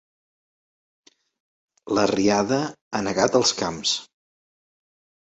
La riada ha negat els camps.